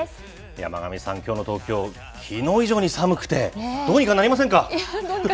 山神さん、きょうの東京、きのう以上に寒くて、どうにかなりませんか？